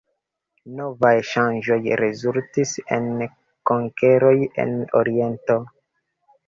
Novaj ŝanĝoj rezultis en konkeroj en oriento.